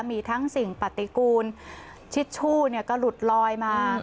มีทั้งสิ่งปฏิกูลชิดชู่ก็หลุดลอยมา